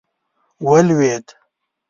ولوېد.